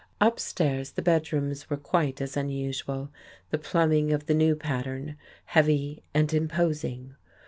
Upstairs, the bedrooms were quite as unusual, the plumbing of the new pattern, heavy and imposing.